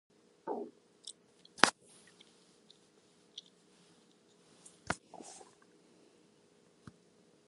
She campaigned against prostitution and for the upgrading of education available to girls.